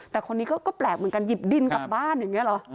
แต่คนนี้ก็แปลกเหมือนกันหยิบดินกลับบ้านอย่างนี้เหรอ